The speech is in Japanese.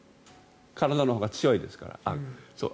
体のほうが強いですから。